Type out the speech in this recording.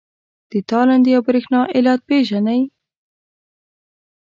د تالندې او برېښنا علت پیژنئ؟